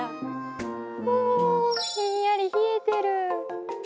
おおひんやりひえてる。